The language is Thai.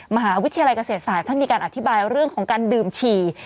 มหาวิทยาลัยเกษตรศาสตร์ท่านมีการอธิบายเรื่องของการดื่มฉี่